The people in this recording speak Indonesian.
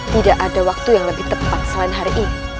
tidak ada waktu yang lebih tepat selain hari ini